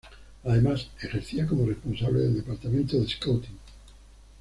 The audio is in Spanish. Además, ejercía como responsable del Departamento de Scouting.